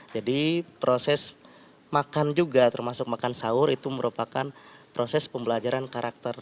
jadi proses makan juga termasuk makan sahur itu merupakan proses pembelajaran karakter